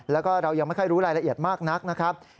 แล้วก็เรายังไม่ค่อยรู้รายละเอียดมากนักนะครับ